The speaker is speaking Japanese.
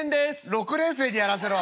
「６年生にやらせろ。